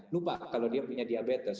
lupa kalau dia punya diabetes